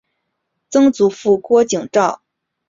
曾祖父郭景昭。